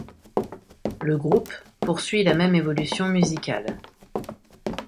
Le groupe poursuit la même évolution musicale.